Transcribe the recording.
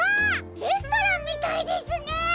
レストランみたいですね！